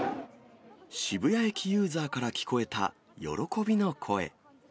渋谷駅ユーザーから聞こえた喜びの声。